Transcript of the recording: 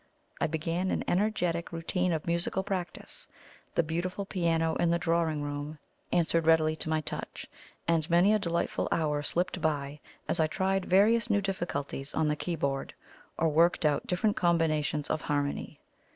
I began an energetic routine of musical practice: the beautiful piano in the drawing room answered readily to my touch, and many a delightful hour slipped by as I tried various new difficulties on the key board, or worked out different combinations of harmony.